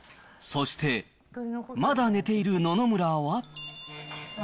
そして、まだ寝ている野々村は。